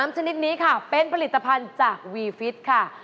ชนิดนี้ค่ะเป็นผลิตภัณฑ์จากวีฟิตค่ะ